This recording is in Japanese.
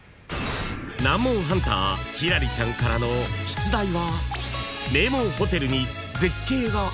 ［難問ハンター輝星ちゃんからの出題は］